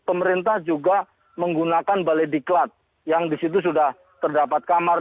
pemerintah juga menggunakan balai diklat yang disitu sudah terdapat kamar